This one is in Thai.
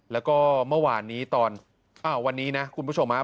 แล้วก็เมื่อวานนี้ตอนวันนี้นะคุณผู้ชมฮะ